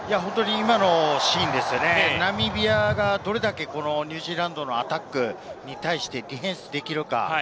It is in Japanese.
今のシーンですね、ナミビアがどれだけニュージーランドのアタックに対してディフェンスできるか。